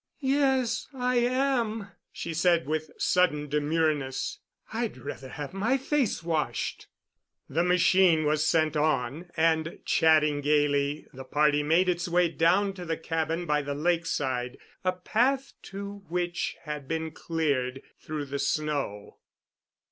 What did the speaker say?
"Yes, I am," she said with sudden demureness. "I'd rather have my face washed." The machine was sent on, and, chatting gaily, the party made its way down to the cabin by the lakeside, a path to which had been cleared through the snow.